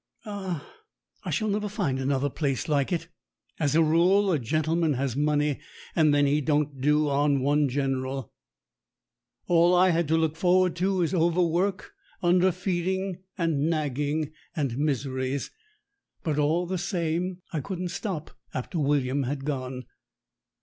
Ah! I shall never find another place like it. As a rule, a gentleman has money, and then he don't do on one general. All I has to look forward to is over work, under feeding, and nagging, and miseries. But all the same, I couldn't stop after William had gone.